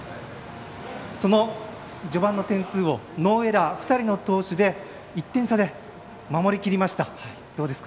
その序盤の点数をノーエラー２人の投手で１点差で守りきりました、どうですか？